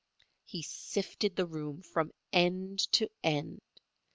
He sifted the room from end to end.